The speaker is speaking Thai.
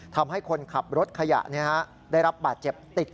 ทำให้คนขับรถขยะได้รับบาดเจ็บติด